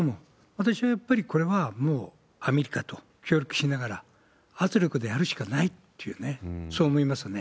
私はやっぱり、これは、もうアメリカと協力しながら、圧力でやるしかないっていうね、そう思いますね。